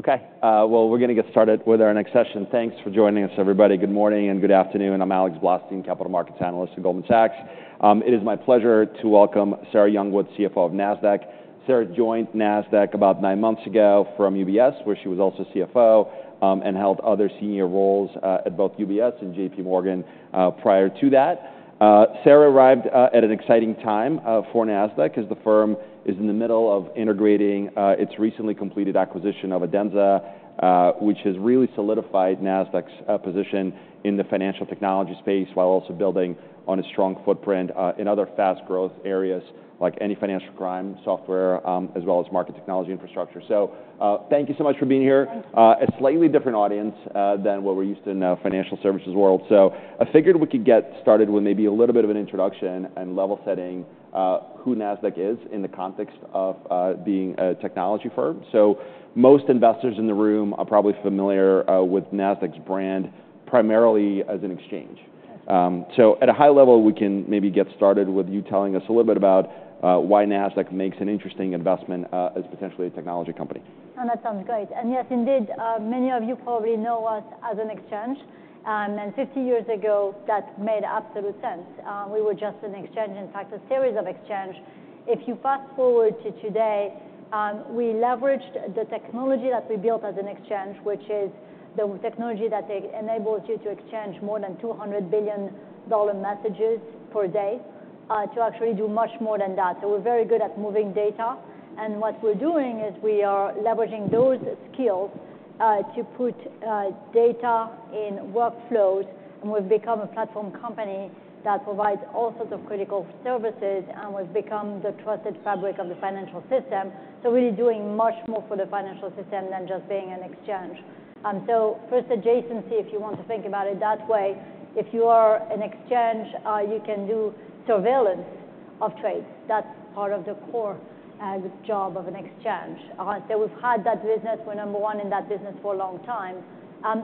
Okay, well, we're gonna get started with our next session. Thanks for joining us, everybody. Good morning, and good afternoon. I'm Alex Blostein, Capital Markets Analyst at Goldman Sachs. It is my pleasure to welcome Sarah Youngwood, CFO of Nasdaq. Sarah joined Nasdaq about nine months ago from UBS, where she was also CFO, and held other senior roles at both UBS and JP Morgan prior to that. Sarah arrived at an exciting time for Nasdaq, as the firm is in the middle of integrating its recently completed acquisition of Adenza, which has really solidified Nasdaq's position in the Financial Technology space, while also building on a strong footprint in other fast growth areas, like Anti-Financial Crime software, as well as Market Technology infrastructure. So, thank you so much for being here. Thanks. A slightly different audience than what we're used to in the financial services world. So I figured we could get started with maybe a little bit of an introduction and level setting, who Nasdaq is in the context of being a technology firm. So most investors in the room are probably familiar with Nasdaq's brand, primarily as an exchange. Yes. So at a high level, we can maybe get started with you telling us a little bit about why Nasdaq makes an interesting investment as potentially a technology company. No, that sounds great. And yes, indeed, many of you probably know us as an exchange. And 50 years ago, that made absolute sense. We were just an exchange, in fact, a series of exchanges. If you fast forward to today, we leveraged the technology that we built as an exchange, which is the technology that enables you to exchange more than 200 billion data messages per day, to actually do much more than that. So we're very good at moving data, and what we're doing is we are leveraging those skills, to put data in workflows, and we've become a platform company that provides all sorts of critical services, and we've become the trusted fabric of the financial system. So we're doing much more for the financial system than just being an exchange. So first adjacency, if you want to think about it that way, if you are an exchange, you can do surveillance of trades. That's part of the core job of an exchange. So we've had that business. We're number one in that business for a long time.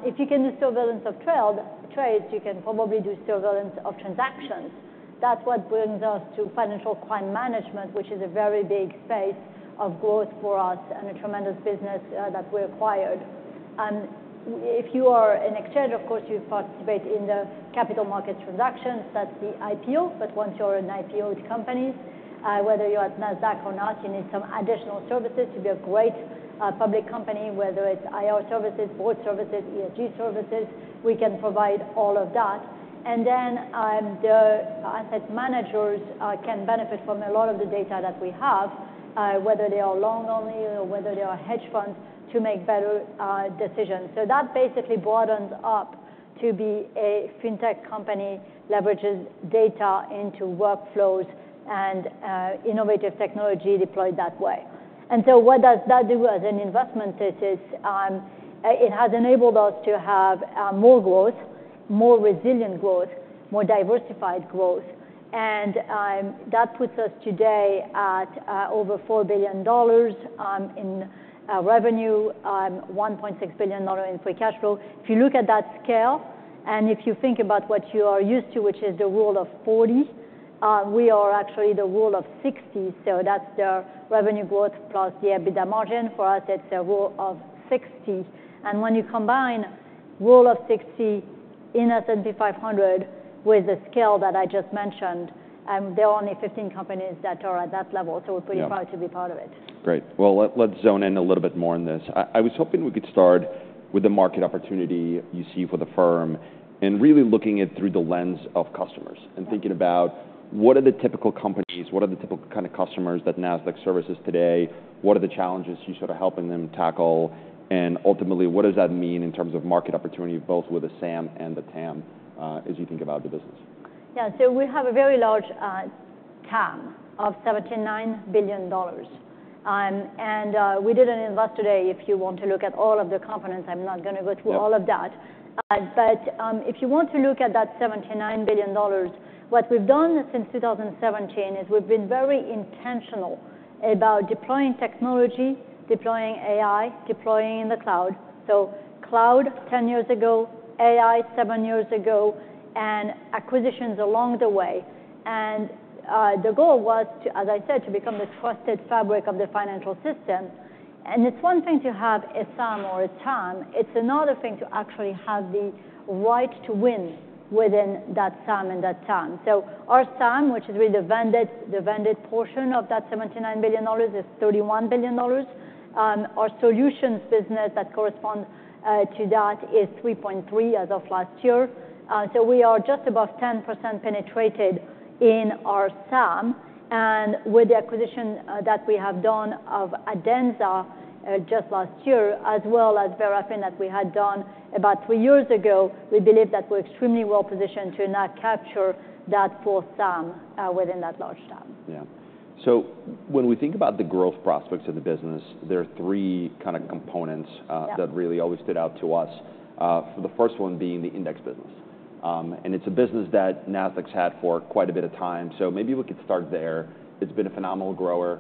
If you can do surveillance of trades, you can probably do surveillance of transactions. That's what brings us to financial crime management, which is a very big space of growth for us and a tremendous business that we acquired. And if you are an exchange, of course, you participate in the capital markets transactions, that's the IPO. But once you're an IPO with companies, whether you're at Nasdaq or not, you need some additional services to be a great public company, whether it's IR services, board services, ESG services. We can provide all of that. And then, the asset managers can benefit from a lot of the data that we have, whether they are long only or whether they are hedge funds, to make better decisions. So that basically broadens up to be a fintech company, leverages data into workflows and innovative technology deployed that way. And so what does that do as an investment? It has enabled us to have more growth, more resilient growth, more diversified growth, and that puts us today at over $4 billion in revenue, $1.6 billion in free cash flow. If you look at that scale, and if you think about what you are used to, which is the Rule of 40, we are actually the Rule of 60, so that's the revenue growth plus the EBITDA margin. For us, it's a Rule of 60. And when you combine Rule of 60 in S&P 500 with the scale that I just mentioned, there are only fifteen companies that are at that level. Yeah. So we're pretty proud to be part of it. Great. Well, let's zone in a little bit more on this. I was hoping we could start with the market opportunity you see for the firm, and really looking at through the lens of customers- Right. and thinking about what are the typical companies, what are the typical kind of customers that Nasdaq services today? What are the challenges you're sort of helping them tackle? And ultimately, what does that mean in terms of market opportunity, both with the SAM and the TAM, as you think about the business? Yeah. So we have a very large TAM of $79 billion. And we did an Investor Day, if you want to look at all of the components, I'm not gonna go through all of that. Yep. But if you want to look at that $79 billion, what we've done since 2017 is we've been very intentional about deploying technology, deploying AI, deploying in the cloud. So cloud, 10 years ago, AI, seven years ago, and acquisitions along the way. And the goal was to, as I said, to become the trusted fabric of the financial system. And it's one thing to have a SAM or a TAM, it's another thing to actually have the right to win within that SAM and that TAM. So our SAM, which is really the vended portion of that $79 billion, is $31 billion. Our solutions business that corresponds to that is $3.3 billion as of last year. So we are just above 10% penetrated in our SAM. With the acquisition that we have done of Adenza just last year, as well as Verafin that we had done about three years ago, we believe that we're extremely well positioned to now capture that full SAM within that large TAM. Yeah. When we think about the growth prospects of the business, there are three kind of components- Yeah -that really always stood out to us. The first one being the index business, and it's a business that Nasdaq's had for quite a bit of time, so maybe we could start there. It's been a phenomenal grower,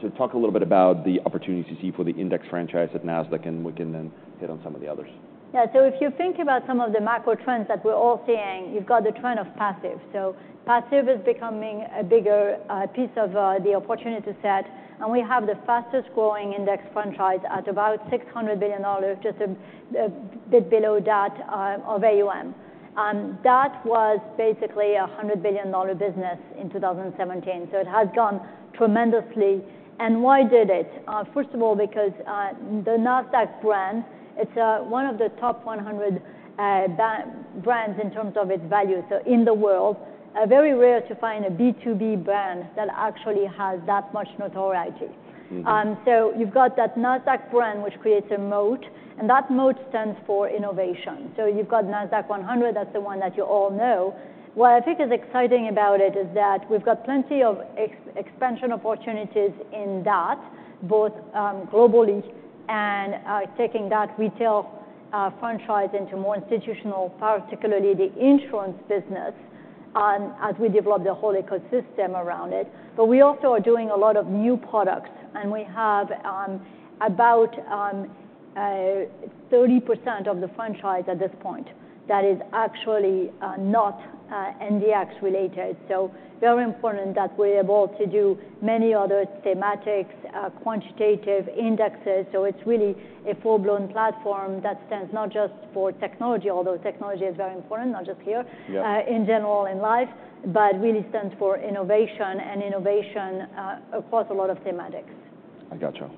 so talk a little bit about the opportunities you see for the index franchise at Nasdaq, and we can then hit on some of the others. Yeah. So if you think about some of the macro trends that we're all seeing, you've got the trend of passive. So passive is becoming a bigger piece of the opportunity set, and we have the fastest growing index franchise at about $600 billion, just a bit below that, of AUM. And that was basically a $100 billion business in 2017, so it has grown tremendously. And why did it? First of all, because the Nasdaq brand, it's one of the top 100 brands in terms of its value, so in the world. Very rare to find a B2B brand that actually has that much notoriety. Mm-hmm. So you've got that Nasdaq brand, which creates a moat, and that moat stands for innovation. So you've got Nasdaq-100, that's the one that you all know. What I think is exciting about it is that we've got plenty of expansion opportunities in that, both globally and taking that retail franchise into more institutional, particularly the insurance business, as we develop the whole ecosystem around it. But we also are doing a lot of new products, and we have about 30% of the franchise at this point that is actually not NDX related. So very important that we're able to do many other thematics, quantitative indexes. So it's really a full-blown platform that stands not just for technology, although technology is very important, not just here- Yeah... in general, in life, but really stands for innovation, and innovation, across a lot of thematics. I gotcha.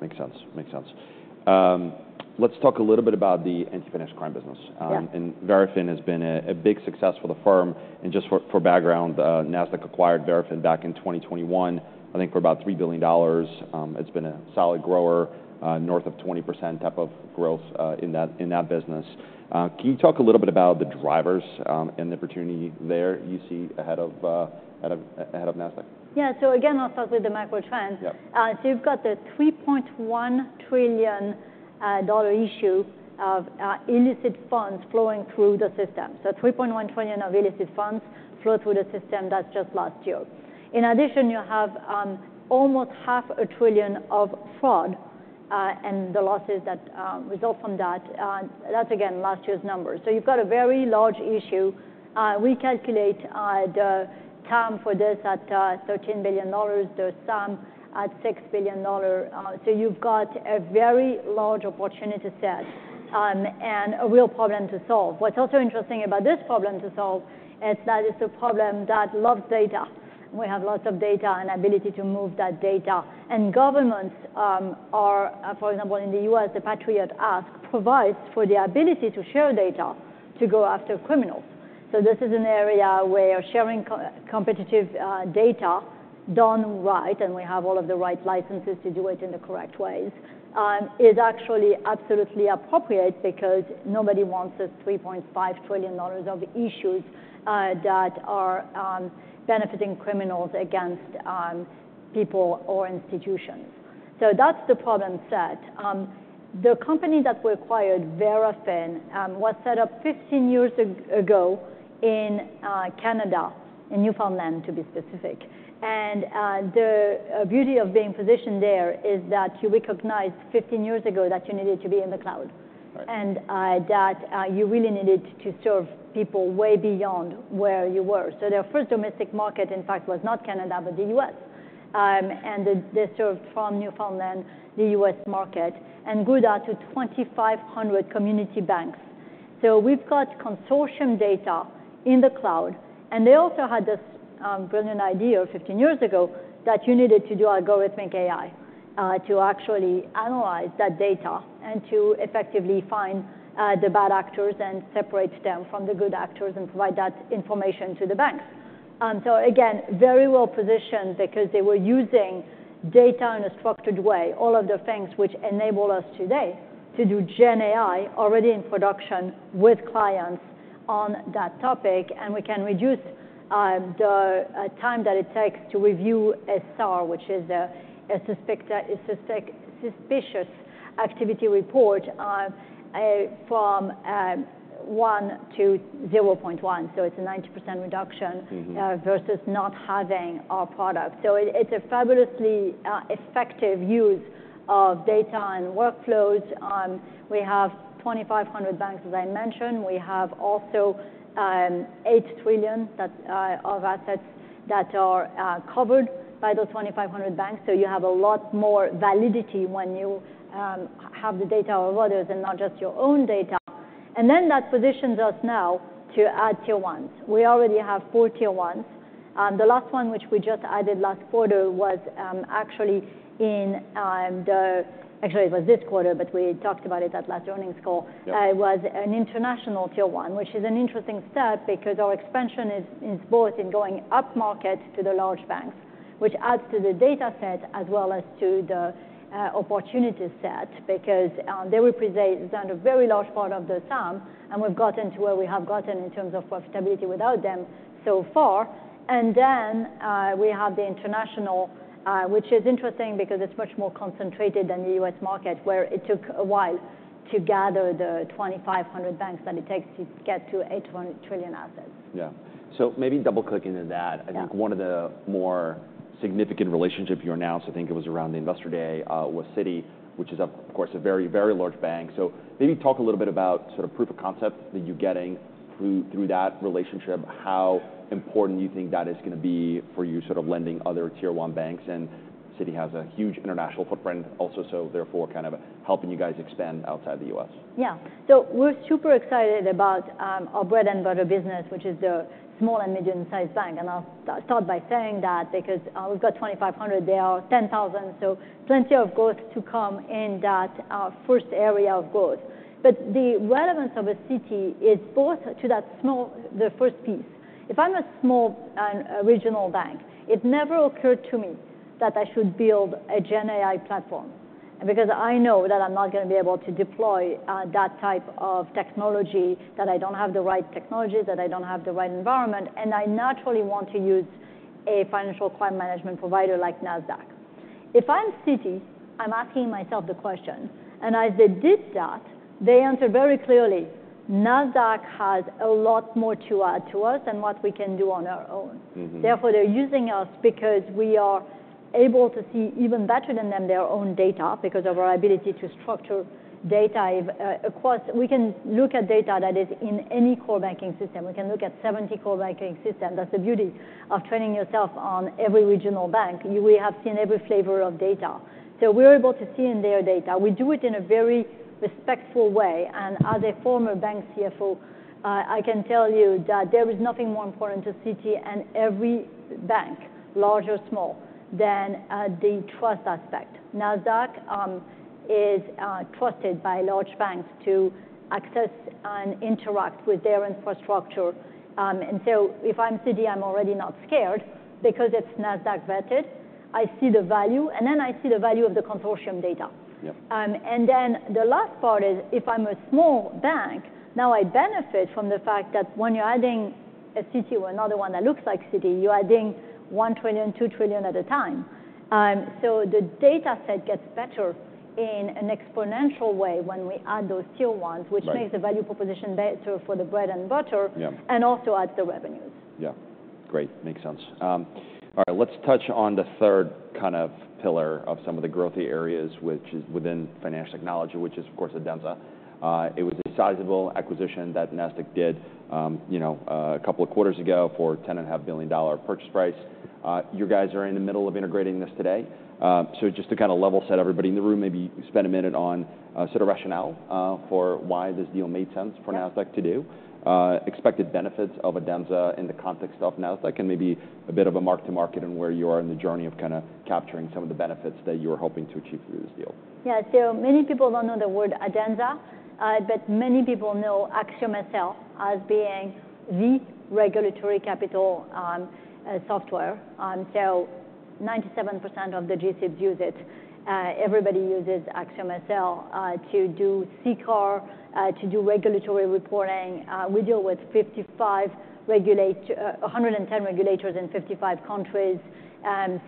Makes sense. Let's talk a little bit about the Anti-Financial Crime business. Yeah. Verafin has been a big success for the firm. Just for background, Nasdaq acquired Verafin back in 2021, I think for about $3 billion. It's been a solid grower, north of 20% type of growth, in that business. Can you talk a little bit about the drivers, and the opportunity there you see ahead of Nasdaq? Yeah, so again, I'll start with the macro trends. Yeah. So you've got the $3.1 trillion issue of illicit funds flowing through the system. So $3.1 trillion of illicit funds flow through the system. That's just last year. In addition, you have almost $500 billion of fraud and the losses that result from that. That's again, last year's numbers. So you've got a very large issue. We calculate the TAM for this at $13 billion, the SAM at $6 billion. So you've got a very large opportunity set and a real problem to solve. What's also interesting about this problem to solve is that it's a problem that loves data. We have lots of data and ability to move that data. And governments are... For example, in the U.S., the Patriot Act provides for the ability to share data to go after criminals. So this is an area where sharing co-competitive data done right, and we have all of the right licenses to do it in the correct ways, is actually absolutely appropriate because nobody wants this $3.5 trillion of issues that are benefiting criminals against people or institutions. So that's the problem set. The company that we acquired, Verafin, was set up 15 years ago in Canada, in Newfoundland, to be specific. And the beauty of being positioned there is that you recognized 15 years ago that you needed to be in the cloud- Right... and that you really needed to serve people way beyond where you were, so their first domestic market, in fact, was not Canada, but the U.S., and they served from Newfoundland, the U.S. market, and grew that to 2,500 community banks, so we've got consortium data in the cloud, and they also had this brilliant idea 15 years ago that you needed to do algorithmic AI to actually analyze that data and to effectively find the bad actors and separate them from the good actors and provide that information to the banks, so again, very well positioned because they were using data in a structured way. All of the things which enable us today to do GenAI already in production with clients on that topic, and we can reduce the time that it takes to review a SAR, which is a suspicious activity report, from 1-0.1. So it's a 90% reduction- Mm-hmm... versus not having our product. So it, it's a fabulously, effective use of data and workflows. We have 2,500 banks, as I mentioned. We have also, eight trillion, that, of assets that are, covered by those 2,500 banks. So you have a lot more validity when you, have the data of others and not just your own data. And then that positions us now to add Tier 1s. We already have four Tier 1s.... The last one, which we just added last quarter, was, actually in, actually, it was this quarter, but we talked about it at last earnings call. Yeah. It was an international Tier 1, which is an interesting step because our expansion is both in going upmarket to the large banks, which adds to the dataset as well as to the opportunity set. Because they represent a very large part of the sum, and we've gotten to where we have gotten in terms of profitability without them so far. And then we have the international, which is interesting because it's much more concentrated than the U.S. market, where it took a while to gather the 2,500 banks that it takes to get to eight hundred trillion assets. Yeah, so maybe double-clicking to that- Yeah... I think one of the more significant relationship you announced, I think it was around the Investor Day, was Citi, which is of, of course, a very, very large bank. So maybe talk a little bit about sort of proof of concept that you're getting through, through that relationship, how important you think that is gonna be for you sort of lending other Tier 1 banks. And Citi has a huge international footprint also, so therefore, kind of helping you guys expand outside the U.S. Yeah. So we're super excited about our bread-and-butter business, which is the small and medium-sized bank. And I'll start by saying that because we've got 2,500, there are 10,000, so plenty of growth to come in that first area of growth. But the relevance of a Citi is both to that small. The first piece. If I'm a small and a regional bank, it never occurred to me that I should build a GenAI platform, because I know that I'm not gonna be able to deploy that type of technology, that I don't have the right technology, that I don't have the right environment, and I naturally want to use a financial crime management provider like Nasdaq. If I'm Citi, I'm asking myself the question, and as they did that, they answered very clearly, "Nasdaq has a lot more to add to us than what we can do on our own. Mm-hmm. Therefore, they're using us because we are able to see even better than them, their own data, because of our ability to structure data. Of course, we can look at data that is in any core banking system. We can look at seventy core banking system. That's the beauty of training yourself on every regional bank, we have seen every flavor of data. So we're able to see in their data. We do it in a very respectful way. And as a former bank CFO, I can tell you that there is nothing more important to Citi and every bank, large or small, than the trust aspect. Nasdaq is trusted by large banks to access and interact with their infrastructure. And so if I'm Citi, I'm already not scared because it's Nasdaq-vetted. I see the value, and then I see the value of the consortium data. Yeah. And then the last part is, if I'm a small bank, now I benefit from the fact that when you're adding a Citi or another one that looks like Citi, you're adding one trillion, two trillion at a time. So the dataset gets better in an exponential way when we add those Tier 1s. Right... which makes the value proposition better for the bread and butter- Yeah... and also adds the revenues. Yeah. Great, makes sense. All right, let's touch on the third kind of pillar of some of the growthy areas, which is within Financial Technology, which is, of course, Adenza. It was a sizable acquisition that Nasdaq did, you know, a couple of quarters ago for a $10.5 billion purchase price. You guys are in the middle of integrating this today. So just to kind of level set everybody in the room, maybe spend a minute on, sort of rationale, for why this deal made sense. Yeah... for Nasdaq to do. Expected benefits of Adenza in the context of Nasdaq, and maybe a bit of a mark-to-market on where you are in the journey of kind of capturing some of the benefits that you were hoping to achieve through this deal. Yeah. So many people don't know the word Adenza, but many people know AxiomSL as being the regulatory capital software. So 97% of the G-SIBs use it. Everybody uses AxiomSL to do CCAR to do regulatory reporting. We deal with 55 regulators, 110 regulators in 55 countries.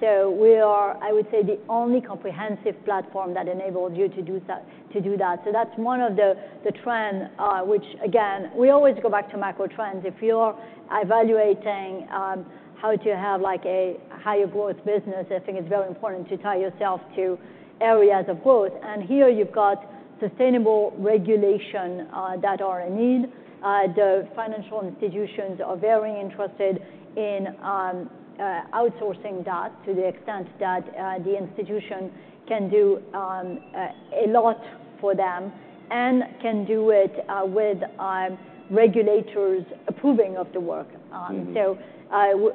So we are, I would say, the only comprehensive platform that enables you to do that, to do that. So that's one of the trend, which again, we always go back to macro trends. If you're evaluating how to have, like, a higher growth business, I think it's very important to tie yourself to areas of growth. And here you've got sustainable regulation that are in need. The financial institutions are very interested in outsourcing that to the extent that the institution can do a lot for them, and can do it with regulators approving of the work. Mm-hmm. So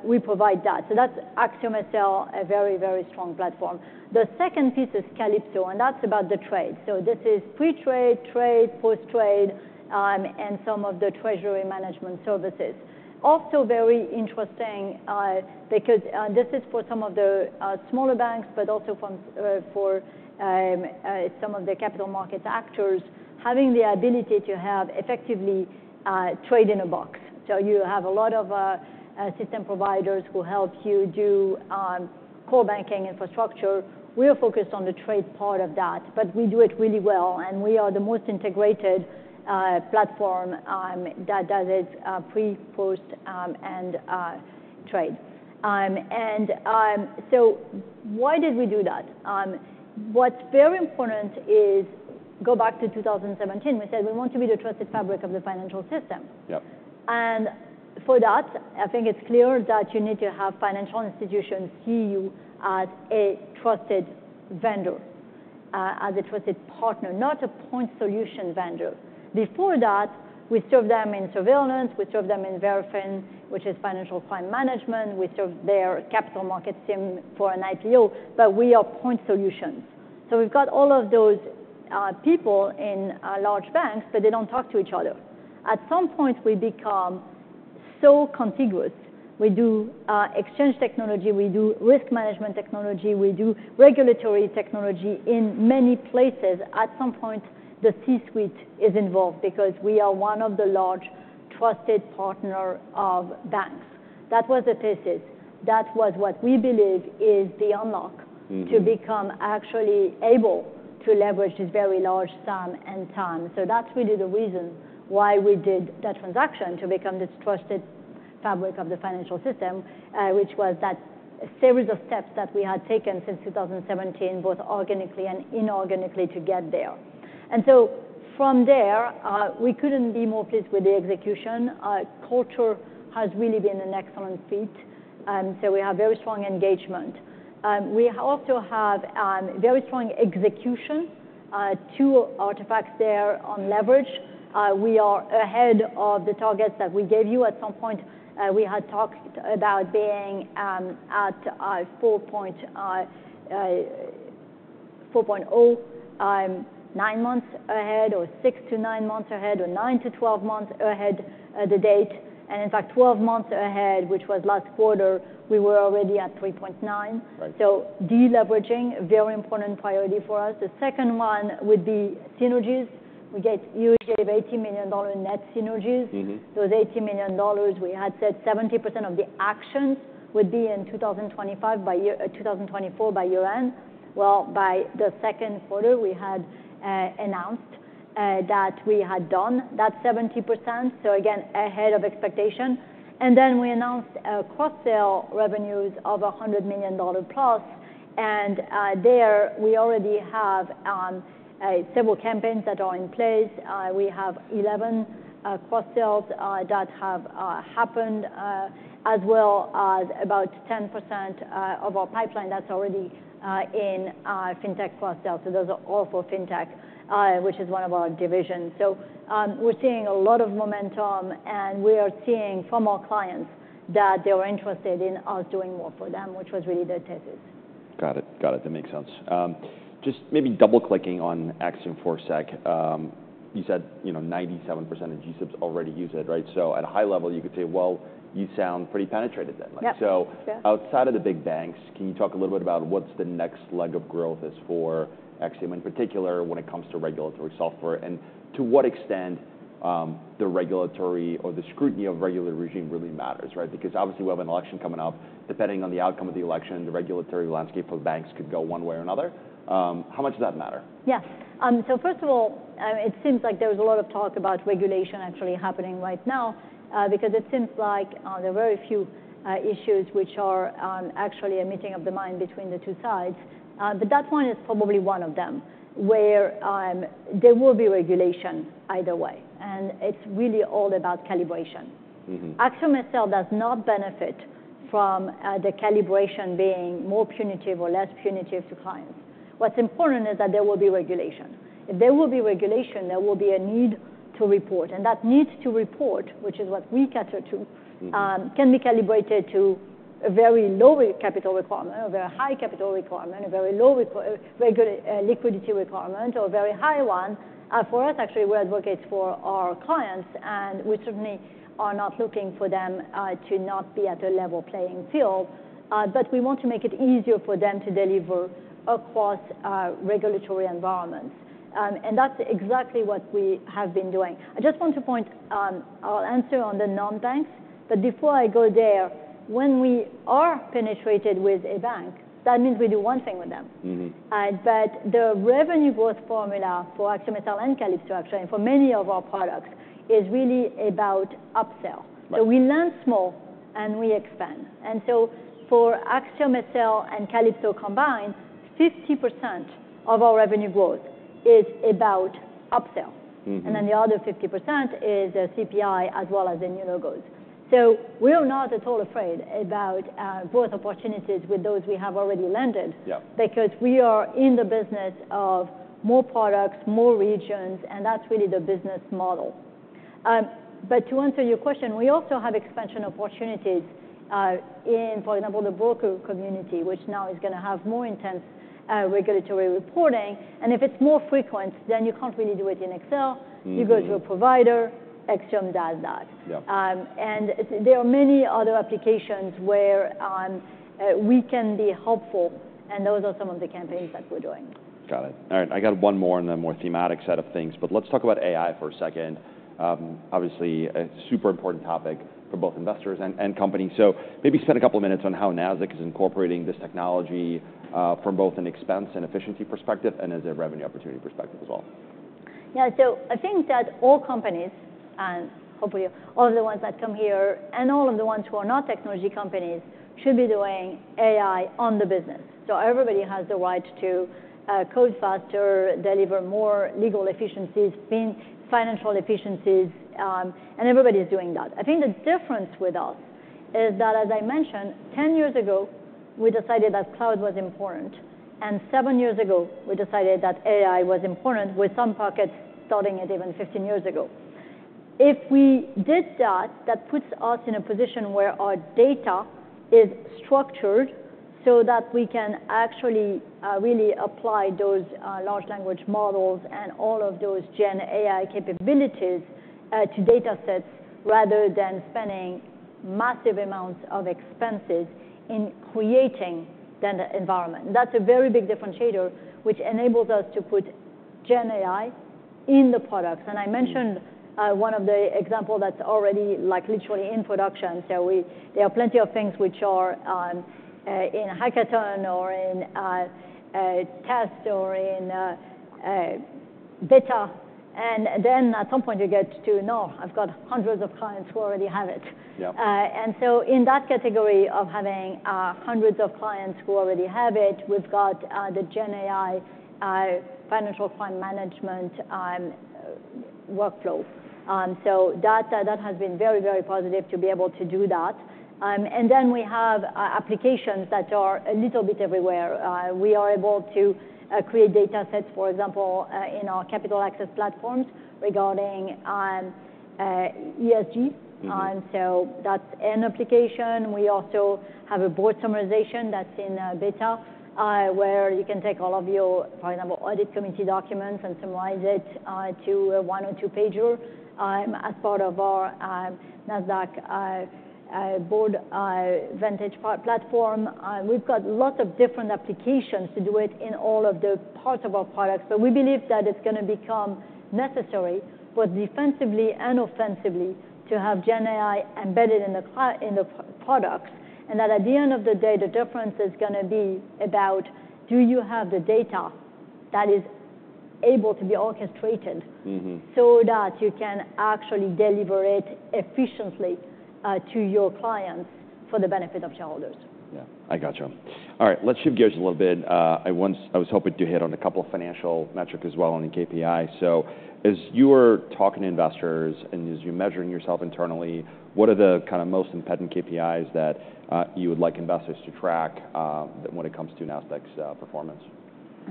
we provide that. So that's AxiomSL, a very, very strong platform. The second piece is Calypso, and that's about the trade. So this is pre-trade, trade, post-trade, and some of the treasury management services. Also very interesting, because this is for some of the smaller banks, but also for some of the capital markets actors, having the ability to have effectively trade in a box. So you have a lot of system providers who help you do core banking infrastructure. We are focused on the trade part of that, but we do it really well, and we are the most integrated platform that does it pre, post, and trade. And so why did we do that? What's very important is, go back to 2017, we said we want to be the trusted fabric of the financial system. Yep. And for that, I think it's clear that you need to have financial institutions see you as a trusted vendor, as a trusted partner, not a point solution vendor. Before that, we served them in surveillance, we served them in Verafin, which is financial crime management. We served their capital markets team for an IPO, but we are point solutions. So we've got all of those people in large banks, but they don't talk to each other. At some point, we become so contiguous, we do exchange technology, we do risk management technology, we do regulatory technology in many places. At some point, the C-suite is involved because we are one of the large trusted partner of banks. That was the thesis. That was what we believe is the unlock- Mm-hmm. -to become actually able to leverage this very large sum and time. So that's really the reason why we did that transaction, to become this trusted fabric of the financial system, which was that series of steps that we had taken since 2017, both organically and inorganically, to get there. And so from there, we couldn't be more pleased with the execution. Culture has really been an excellent fit, so we have very strong engagement. We also have very strong execution. Two artifacts there on leverage, we are ahead of the targets that we gave you. At some point, we had talked about being at 4.0 nine months ahead or six to nine months ahead, or nine to 12 months ahead, the date. In fact, 12 months ahead, which was last quarter, we were already at 3.9. Right. So de-leveraging, a very important priority for us. The second one would be synergies. We get usually $80 million net synergies. Mm-hmm. Those $80 million, we had said 70% of the actions would be in 2025 by year, 2024 by year-end. Well, by the second quarter, we had announced that we had done that 70%, so again, ahead of expectation. And then we announced cross-sale revenues of $100 million plus, and there, we already have several campaigns that are in place. We have 11 cross-sales that have happened, as well as about 10% of our pipeline that's already in our fintech cross-sale. So those are all for fintech, which is one of our divisions. So, we're seeing a lot of momentum, and we are seeing from our clients that they are interested in us doing more for them, which was really the thesis. Got it. Got it. That makes sense. Just maybe double-clicking on AxiomSL. You said, you know, 97% of G-SIBs already use it, right? So at a high level, you could say, "Well, you sound pretty penetrated then. Yeah. So- Yeah... outside of the big banks, can you talk a little bit about what's the next leg of growth is for AxiomSL, in particular, when it comes to regulatory software, and to what extent, the regulatory or the scrutiny of regulatory regime really matters, right? Because obviously, we have an election coming up. Depending on the outcome of the election, the regulatory landscape for banks could go one way or another. How much does that matter? Yeah. So first of all, it seems like there was a lot of talk about regulation actually happening right now, because it seems like there are very few issues which are actually a meeting of the mind between the two sides. But that one is probably one of them, where there will be regulation either way, and it's really all about calibration. Mm-hmm. AxiomSL itself does not benefit from, the calibration being more punitive or less punitive to clients. What's important is that there will be regulation. If there will be regulation, there will be a need to report, and that need to report, which is what we cater to- Mm-hmm... can be calibrated to a very low capital requirement or a very high capital requirement, a very low liquidity requirement or a very high one. For us, actually, we're advocates for our clients, and we certainly are not looking for them to not be at a level playing field. But we want to make it easier for them to deliver across regulatory environments. And that's exactly what we have been doing. I just want to point, I'll answer on the non-banks, but before I go there, when we are penetrated with a bank, that means we do one thing with them. Mm-hmm. But the revenue growth formula for AxiomSL and Calypso, actually, and for many of our products, is really about upsell. Right. So we learn small, and we expand. And so for AxiomSL and Calypso combined, 50% of our revenue growth is about upsell. Mm-hmm. And then the other 50% is CPI as well as the new logos. So we are not at all afraid about growth opportunities with those we have already landed- Yeah... because we are in the business of more products, more regions, and that's really the business model, but to answer your question, we also have expansion opportunities in, for example, the broker community, which now is gonna have more intense regulatory reporting, and if it's more frequent, then you can't really do it in Excel. Mm-hmm. You go to a provider, AxiomSL does that. Yeah. And there are many other applications where we can be helpful, and those are some of the campaigns that we're doing. Got it. All right, I got one more in the more thematic set of things, but let's talk about AI for a second. Obviously, a super important topic for both investors and, and companies. So maybe spend a couple of minutes on how Nasdaq is incorporating this technology, from both an expense and efficiency perspective and as a revenue opportunity perspective as well. Yeah, so I think that all companies, and hopefully all of the ones that come here, and all of the ones who are not technology companies, should be doing AI on the business. So everybody has the right to code faster, deliver more legal efficiencies, financial efficiencies, and everybody's doing that. I think the difference with us is that, as I mentioned, 10 years ago, we decided that cloud was important, and seven years ago, we decided that AI was important, with some pockets starting it even 15 years ago. If we did that, that puts us in a position where our data is structured so that we can actually really apply those large language models and all of those GenAI capabilities to data sets, rather than spending massive amounts of expenses in creating that environment. That's a very big differentiator, which enables us to put GenAI in the products. Mm. And I mentioned one of the example that's already, like, literally in production. So there are plenty of things which are in hackathon or in a test or in a beta. And then at some point you get to, "No, I've got hundreds of clients who already have it. Yep. And so in that category of having hundreds of clients who already have it, we've got the GenAI financial crime management workflow. So that has been very, very positive to be able to do that. And then we have applications that are a little bit everywhere. We are able to create data sets, for example, in our Capital Access Platforms regarding ESGs. Mm-hmm. So that's an application. We also have a board summarization that's in beta, where you can take all of your, for example, audit committee documents and summarize it to a one- or two-pager, as part of our Nasdaq Boardvantage platform. We've got lots of different applications to do it in all of the parts of our products, but we believe that it's gonna become necessary, both defensively and offensively, to have GenAI embedded in the products, and that at the end of the day, the difference is gonna be about, do you have the data that is able to be orchestrated- Mm-hmm... so that you can actually deliver it efficiently to your clients for the benefit of shareholders? Yeah, I gotcha. All right, let's shift gears a little bit. I was hoping to hit on a couple of financial metric as well, and the KPI. So as you are talking to investors, and as you're measuring yourself internally, what are the kind of most important KPIs that you would like investors to track, when it comes to Nasdaq's performance?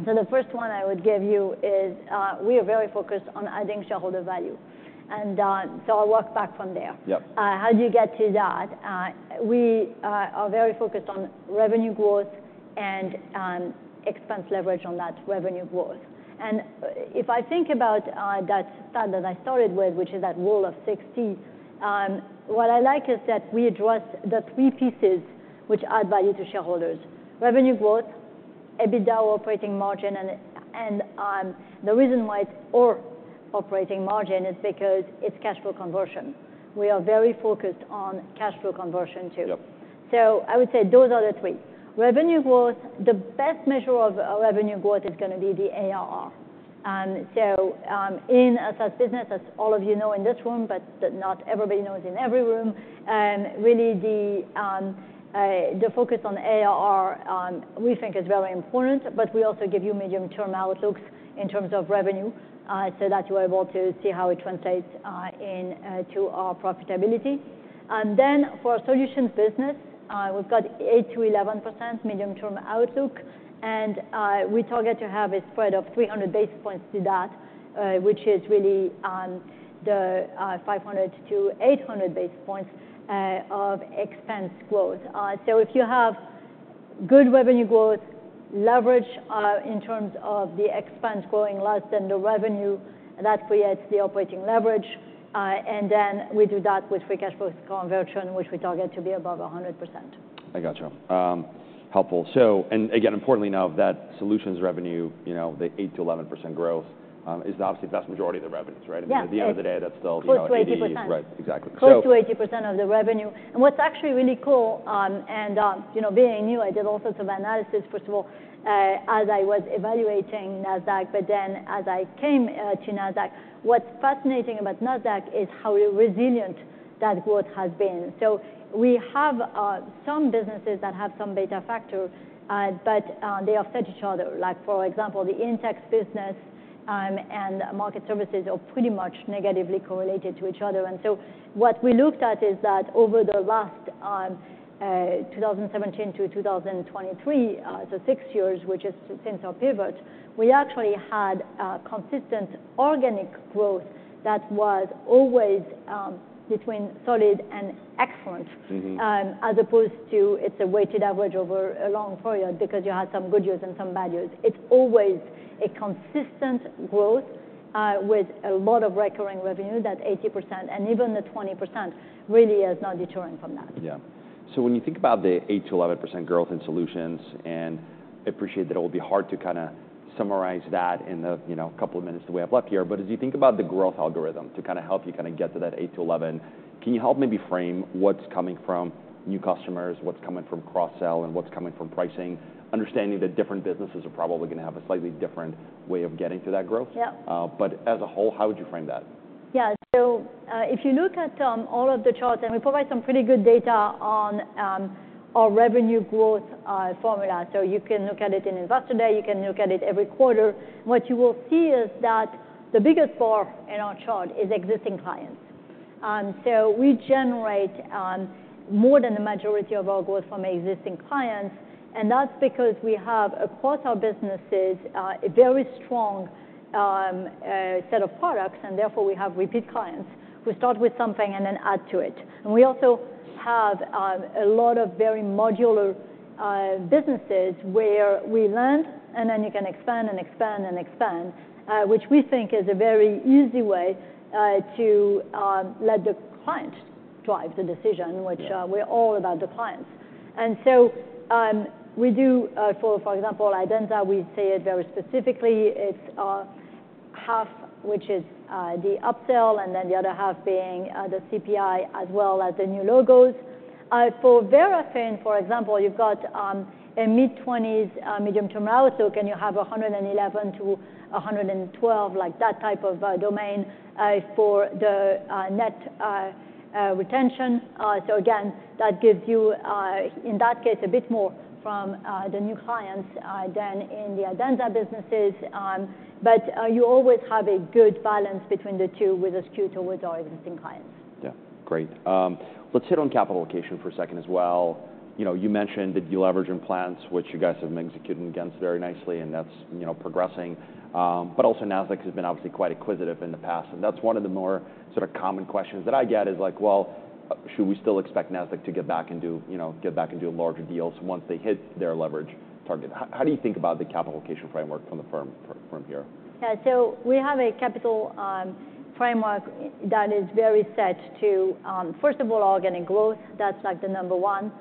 So the first one I would give you is, we are very focused on adding shareholder value. And, so I'll work back from there. Yep. How do you get to that? We are very focused on revenue growth and expense leverage on that revenue growth. If I think about that stat that I started with, which is that Rule of 60, what I like is that we address the three pieces which add value to shareholders: revenue growth, EBITDA operating margin, and the reason why it's our operating margin is because it's cash flow conversion. We are very focused on cash flow conversion, too. Yep. So I would say those are the three. Revenue growth, the best measure of revenue growth is gonna be the ARR. And so, in a SaaS business, as all of you know in this room, but not everybody knows in every room, really the focus on ARR, we think is very important, but we also give you medium-term outlooks in terms of revenue, so that you are able to see how it translates to our profitability. And then for our solutions business, we've got 8%-11% medium-term outlook, and we target to have a spread of 300 basis points to that, which is really the 500-800 basis points of expense growth. So if you have good revenue growth, leverage, in terms of the expense growing less than the revenue, that creates the operating leverage. And then we do that with free cash flow conversion, which we target to be above 100%. I gotcha. Helpful. So... And again, importantly, now, that solutions revenue, you know, the 8%-11% growth, is obviously the vast majority of the revenues, right? Yeah. I mean, at the end of the day, that's still, you know, 80- Close to 80%. Right. Exactly. So- Close to 80% of the revenue. And what's actually really cool, you know, being new, I did all sorts of analysis, first of all, as I was evaluating Nasdaq, but then as I came to Nasdaq, what's fascinating about Nasdaq is how resilient that growth has been. So we have some businesses that have some beta factor, but they offset each other. Like, for example, the Index Business and Market Services are pretty much negatively correlated to each other. And so what we looked at is that over the last 2017 to 2023, so six years, which is since our pivot, we actually had consistent organic growth that was always between solid and excellent- Mm-hmm... as opposed to it's a weighted average over a long period, because you had some good years and some bad years. It's always a consistent growth, with a lot of recurring revenue, that 80%, and even the 20% really is not deterring from that. Yeah. So when you think about the 8%-11% growth in solutions, and I appreciate that it will be hard to kind of summarize that in the, you know, couple of minutes that we have left here, but as you think about the growth algorithm to kind of help you kind of get to that 8%-11%, can you help maybe frame what's coming from new customers, what's coming from cross-sell, and what's coming from pricing? Understanding that different businesses are probably gonna have a slightly different way of getting to that growth. Yeah. But as a whole, how would you frame that? Yeah. So, if you look at all of the charts, and we provide some pretty good data on our revenue growth formula, so you can look at it in Investor Day, you can look at it every quarter. What you will see is that the biggest bar in our chart is existing clients. So we generate more than the majority of our growth from existing clients, and that's because we have, across our businesses, a very strong set of products, and therefore, we have repeat clients. We start with something and then add to it. And we also have a lot of very modular businesses where we learn, and then you can expand and expand and expand, which we think is a very easy way to let the client drive the decision- Yeah. which we're all about the clients. And so we do, for example, Adenza, we say it very specifically. It's half, which is the upsell, and then the other half being the CPI as well as the new logos. For Verafin, for example, you've got a mid-20s medium-term outlook, and you have 111-112, like that type of domain for the net retention. So again, that gives you, in that case, a bit more from the new clients than in the Adenza businesses. But you always have a good balance between the two, with new or with our existing clients. Yeah. Great. Let's hit on capital allocation for a second as well. You know, you mentioned the deleveraging plans, which you guys have been executing against very nicely, and that's, you know, progressing. But also, Nasdaq has been obviously quite acquisitive in the past, and that's one of the more sort of common questions that I get is like: Well, should we still expect Nasdaq to, you know, get back and do larger deals once they hit their leverage target? How do you think about the capital allocation framework from the firm, from here? Yeah. So we have a capital framework that is very set to first of all, organic growth. That's, like, the number one.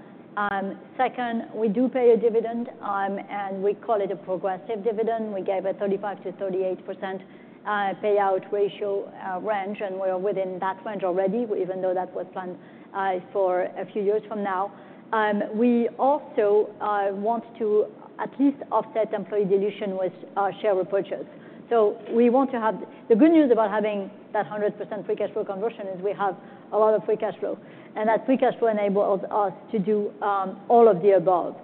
Second, we do pay a dividend, and we call it a progressive dividend. We gave a 35%-38% payout ratio range, and we're within that range already, even though that was planned for a few years from now. We also want to at least offset employee dilution with our share repurchase. So we want to have. The good news about having that 100% free cash flow conversion is we have a lot of free cash flow, and that free cash flow enables us to do all of the above.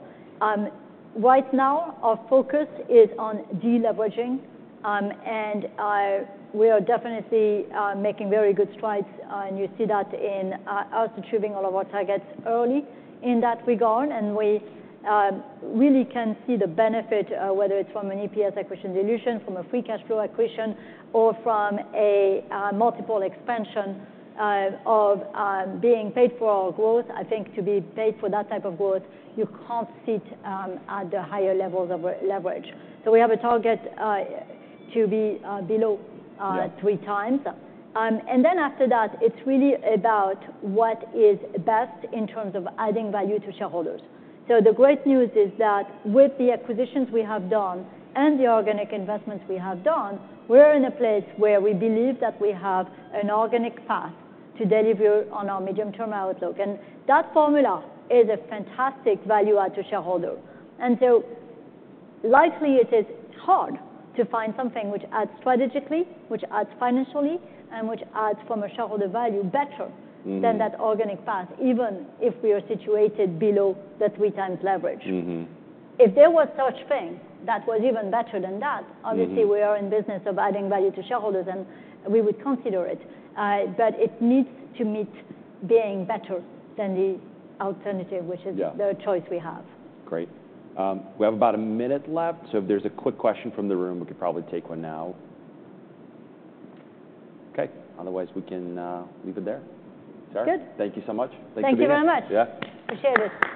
Right now, our focus is on deleveraging, and we are definitely making very good strides, and you see that in us achieving all of our targets early in that regard. And we really can see the benefit, whether it's from an EPS acquisition dilution, from a free cash flow acquisition, or from a multiple expansion of being paid for our growth. I think to be paid for that type of growth, you can't sit at the higher levels of leverage. So we have a target to be below- Yeah... three times, and then after that, it's really about what is best in terms of adding value to shareholders, so the great news is that with the acquisitions we have done and the organic investments we have done, we're in a place where we believe that we have an organic path to deliver on our medium-term outlook, and that formula is a fantastic value-add to shareholder, and so likely, it is hard to find something which adds strategically, which adds financially, and which adds from a shareholder value better- Mm. than that organic path, even if we are situated below the three times leverage. Mm-hmm. If there was such thing that was even better than that- Mm-hmm... obviously, we are in business of adding value to shareholders, and we would consider it, but it needs to meet being better than the alternative, which is- Yeah... the choice we have. Great. We have about a minute left, so if there's a quick question from the room, we could probably take one now. Okay, otherwise, we can leave it there. Sorry. Good. Thank you so much. Thank you for being here. Thank you very much. Yeah. Appreciate it.